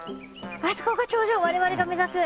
あそこが頂上我々が目指す。